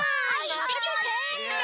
いってきます。